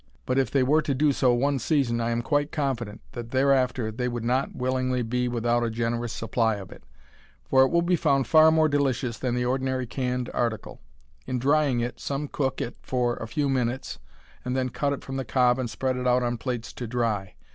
But if they were to do so one season I am quite confident that thereafter they would not willingly be without a generous supply of it, for it will be found far more delicious than the ordinary canned article. In drying it, some cook it for a few minutes, and then cut it from the cob and spread it out on plates to dry.